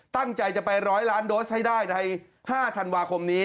ตั้งใจจะไป๑๐๐ล้านโดสให้ได้ใน๕ธันวาคมนี้